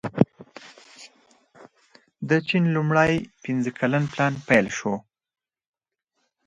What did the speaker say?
د چین لومړی پنځه کلن پلان پیل شو.